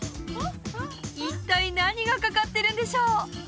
一体何がかかってるんでしょう？